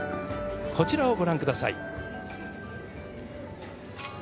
こちらをご覧ください。